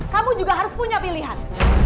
kamu juga harus punya pilihan